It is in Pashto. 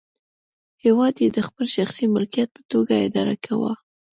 هېواد یې د خپل شخصي ملکیت په توګه اداره کاوه.